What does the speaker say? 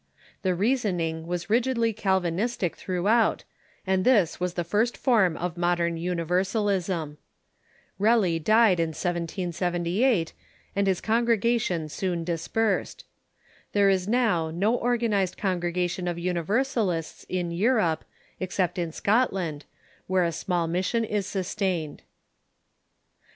The reasoning was rigidly Calvinistic throughout, and this was the first form of modern Universal ism. Kelly died in 1778, and his congregation soon dispersed. There is now no organized congregation of Universalists in Europe, except in Scotland, where a small mission is sustained.